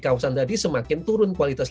kawasan tadi semakin turun kualitas